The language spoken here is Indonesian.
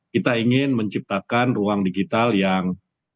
kita ingin menciptakan ruang digital yang